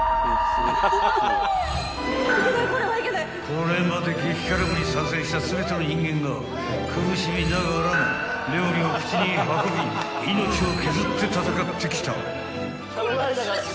［これまで激辛部に参戦した全ての人間が苦しみながらも料理を口に運び命を削って戦ってきた］